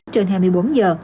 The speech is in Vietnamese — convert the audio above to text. trên hai mươi bốn giờ